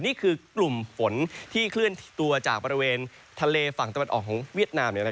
นี่คือกลุ่มฝนที่เคลื่อนตัวจากบริเวณทะเลฝั่งตะวันออกของเวียดนาม